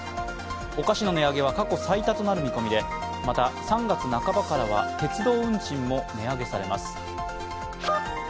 お菓子の値上げは過去最多となる見込みで、また、３月半ばからは鉄道運賃も値上げされます。